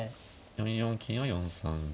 ４四金は４三銀。